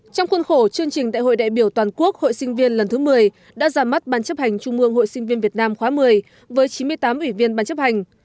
trong khuôn khổ chương trình đại hội đại biểu toàn quốc hội sinh viên lần thứ một mươi đã ra mắt ban chấp hành trung mương hội sinh viên việt nam khóa một mươi với chín mươi tám ủy viên ban chấp hành